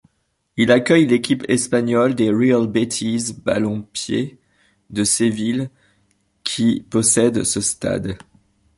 Il accueille l'équipe espagnole du Real Betis Balompié de Séville qui possède ce stade.